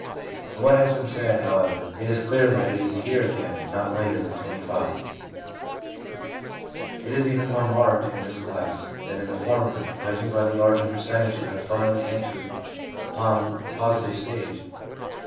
From what has been said, how ever, it is clear that it is here again not later than 25. It is even more marked in this class than in the former, judging by the larger percentage who have finally entered upon a positive stage.